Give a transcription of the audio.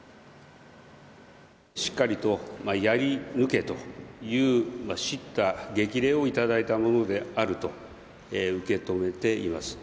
しっかりとやり抜けという、しった激励を頂いたものであると受け止めています。